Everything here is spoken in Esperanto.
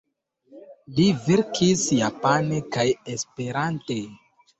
Li verkis japane kaj Esperante.